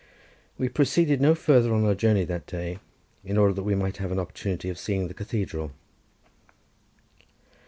We proceeded no farther on our journey that day, in order that we might have an opportunity of seeing the cathedral.